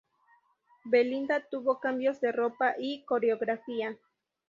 Belinda tuvo cambios de ropa y coreografía.